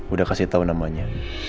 udah kasih tau namanya